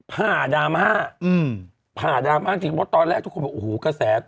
ผ่าดราม่าอืมผ่าดราม่าจริงเพราะตอนแรกทุกคนบอกโอ้โหกระแส